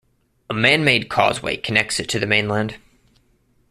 A man made causeway connects it to the mainland.